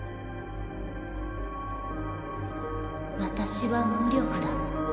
私は無力だ。